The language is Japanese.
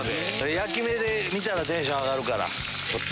焼き目見たらテンション上がるから。